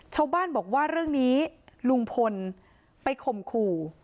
ชาวบ้านบอกว่าเรื่องนี้ลุงพลไปข่มขู่